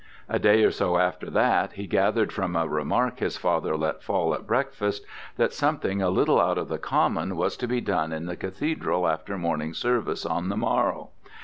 A day or so after that, he gathered from a remark his father let fall at breakfast that something a little out of the common was to be done in the Cathedral after morning service on the morrow.